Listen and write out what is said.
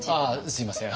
すいません。